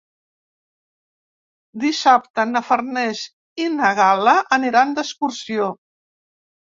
Dissabte na Farners i na Gal·la aniran d'excursió.